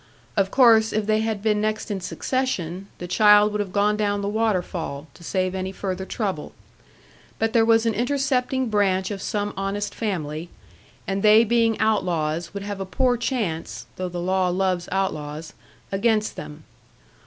Of course, if they had been next in succession, the child would have gone down the waterfall, to save any further trouble; but there was an intercepting branch of some honest family; and they being outlaws, would have a poor chance (though the law loves outlaws) against them.